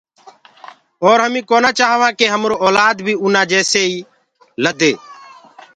اَور همين ڪونآ چآهوآن ڪي همرو اولآد بيٚ اُنآن جيسيئيٚ لدي۔